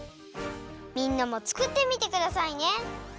みんなもつくってみてくださいね。